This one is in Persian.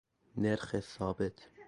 نرخ ثابت